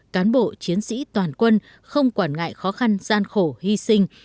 cán bộ chiến sĩ toàn quân không quản ngại khó khăn gian khổ hy sinh